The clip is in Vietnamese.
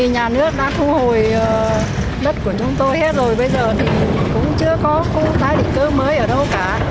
nhà nước đã thu hồi đất của chúng tôi hết rồi bây giờ thì cũng chưa có khu tái định cư mới ở đâu cả